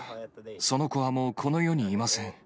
その子はもうこの世にいません。